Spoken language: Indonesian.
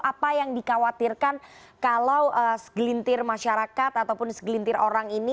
apa yang dikhawatirkan kalau segelintir masyarakat ataupun segelintir orang ini